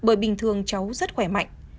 bởi bình thường cháu rất khỏe mạnh